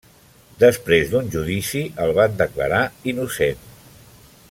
Després d'un judici, el van declarar innocent.